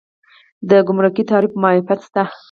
د ګمرکي تعرفو معافیت شته؟